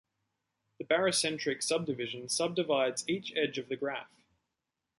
The barycentric subdivision subdivides each edge of the graph.